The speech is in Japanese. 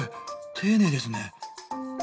丁寧ですね。